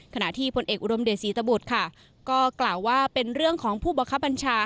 ขณะที่ผลเอกอุดมเดชศรีตบุตรค่ะก็กล่าวว่าเป็นเรื่องของผู้บังคับบัญชา